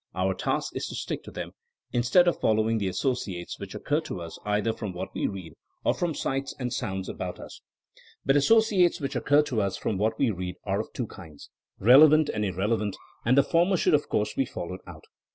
Our task is to stick to them, instead of following the associates which occur to us either from what we read or from sights and sounds 184 TfilNKINO AS A SOIENOE about us. But associates which occur to us from what we read are of two kinds : relevant and irrelevant, and the former should of course be followed out.